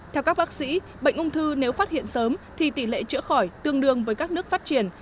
theo các bác sĩ bệnh ung thư nếu phát hiện sớm thì tỷ lệ chữa khỏi tương đương với các nước phát triển